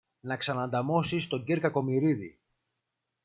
να ξανανταμώσεις τον κυρ Κακομοιρίδη